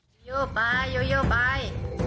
ยูยูไปยูยูไป